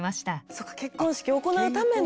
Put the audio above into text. そうか結婚式行うための。